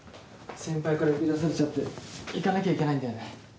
先輩から呼び出されちゃって行かなきゃいけないんだよね。